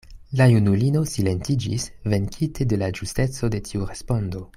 La junulino silentiĝis, venkite de la ĝusteco de tiu respondo.